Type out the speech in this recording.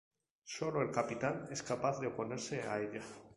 Sólo el capitán es capaz de oponerse a ella.